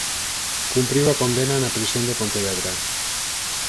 Cumpriu a condena na prisión de Pontevedra.